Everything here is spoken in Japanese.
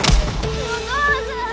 お父さん。